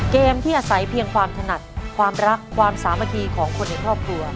เกมที่อาศัยเพียงความถนัดความรักความสามัคคีของคนในครอบครัว